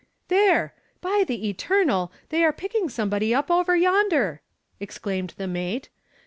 "There! By the eternal, they are picking somebody up over yonder," exclaimed the mate.